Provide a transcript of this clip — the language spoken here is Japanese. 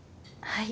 はい。